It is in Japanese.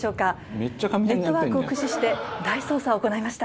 ネットワークを駆使して大捜査を行いました。